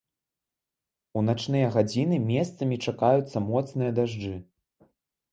У начныя гадзіны месцамі чакаюцца моцныя дажджы.